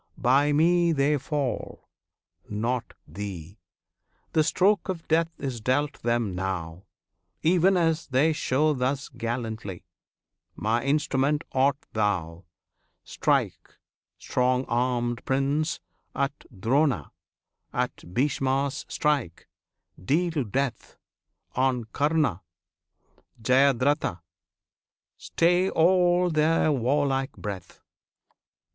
By Me they fall not thee! the stroke of death is dealt them now, Even as they show thus gallantly; My instrument art thou! Strike, strong armed Prince, at Drona! at Bhishma strike! deal death On Karna, Jyadratha; stay all their warlike breath!